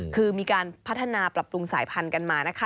คือมีการพัฒนาปรับปรุงสายพันธุ์กันมานะคะ